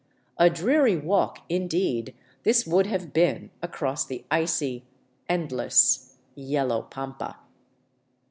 A dreary walk, indeed, this would have been across the icy, endless, yellow pampa.